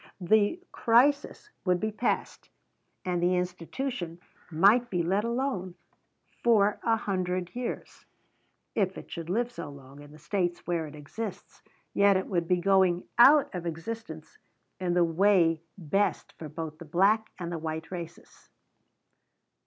The crisis would be past, and the institution might be let alone for a hundred years if it should live so long in the States where it exists, yet it would be going out of existence in the way best for both the black and the white races.